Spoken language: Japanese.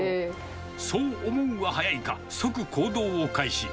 そう思うが早いか、即行動を開始。